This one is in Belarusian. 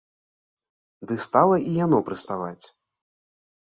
Ды стала і яно прыставаць.